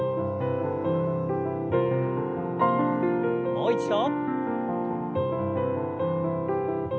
もう一度。